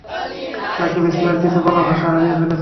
নাকি বিস্ময়ে কিছু বলার ভাষা হারিয়ে ফেলেছেন?